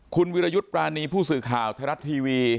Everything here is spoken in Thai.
คุณวิรยุทธ์ปรานีผู้สื่อข่าวไทยรัฐทีวี